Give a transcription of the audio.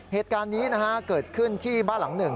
เหตุการณ์นี้เกิดขึ้นที่บ้านหลังหนึ่ง